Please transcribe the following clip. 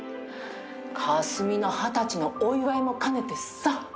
香澄の二十歳のお祝いも兼ねてさ。